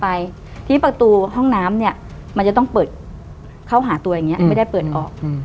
ทีนี้ประตูห้องน้ำเนี่ยมันจะต้องเปิดเข้าหาตัวอย่างนี้ไม่ได้เปิดออก